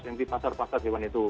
yang di pasar pasar hewan itu